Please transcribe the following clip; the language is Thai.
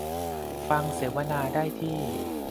ฟังเสวนาได้ที่